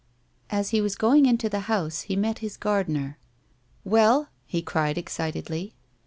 As he was going in to the house, he met his gardener. " Well 1 " he cried, excitedly.